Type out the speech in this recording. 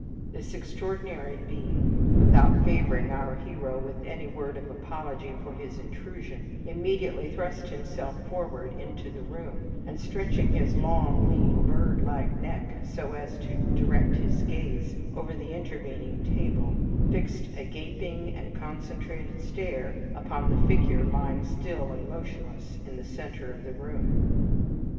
This extraordinary being, without favoring our hero with any word of apology for his intrusion, immediately thrust himself forward into the room, and stretching his long, lean, birdlike neck so as to direct his gaze over the intervening table, fixed a gaping and concentrated stare upon the figure lying still and motionless in the center of the room.